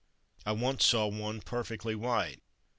I once saw one perfectly white.